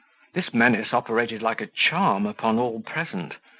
This menace operated like a charm upon all present.